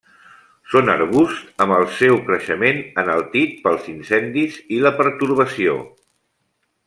Són arbusts amb el seu creixement enaltit pels incendis i la pertorbació.